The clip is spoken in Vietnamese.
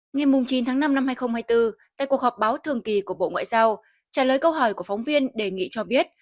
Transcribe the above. ngày chín tháng năm năm hai nghìn hai mươi bốn tại cuộc họp báo thường kỳ của bộ ngoại giao trả lời câu hỏi của phóng viên đề nghị cho biết